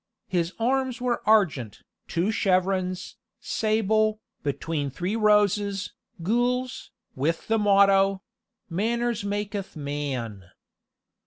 His arms were argent, two chevrons, sable, between three roses, gules, with the motto "Manners maketh man."